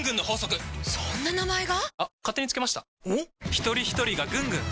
ひとりひとりがぐんぐん！